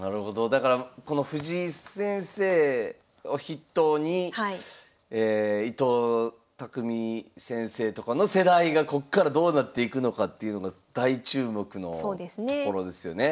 だからこの藤井先生を筆頭に伊藤匠先生とかの世代がこっからどうなっていくのかっていうのが大注目のところですよね。